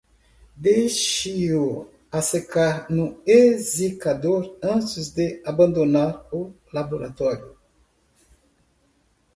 Deixei-o a secar num exsicador antes de abandonar o laboratório